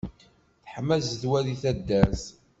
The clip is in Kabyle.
Teḥma zzedwa deg taddart!